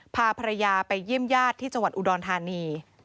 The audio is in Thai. พาภรรยาไปเยี่ยมญาติที่จังหวัดอุดรธานี